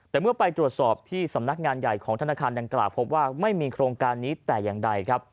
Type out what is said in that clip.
แต่เมื่อไปตรวจสอบที่สำนักงานใหญ่ของธนาคารดังกล่าวพบว่าไม่มีโครงการนี้แต่อย่างใดครับ